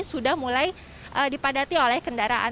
sudah mulai dipadati oleh kendaraan